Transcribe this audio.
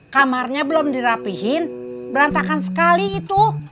kamarnya belum dirapihin berantakan sekali itu